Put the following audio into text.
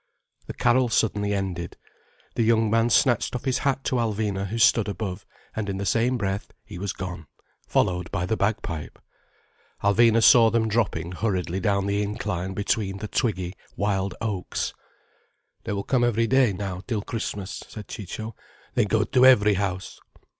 The carol suddenly ended, the young man snatched off his hat to Alvina who stood above, and in the same breath he was gone, followed by the bagpipe. Alvina saw them dropping hurriedly down the incline between the twiggy wild oaks. "They will come every day now, till Christmas," said Ciccio. "They go to every house."